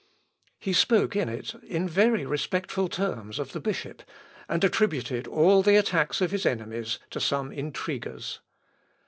He spoke in it in very respectful terms of the bishop, and attributed all the attacks of his enemies to some intriguers.